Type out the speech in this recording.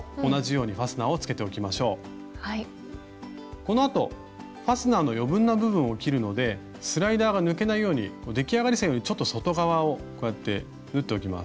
このあとファスナーの余分な部分を切るのでスライダーが抜けないように出来上がり線よりちょっと外側をこうやって縫っておきます。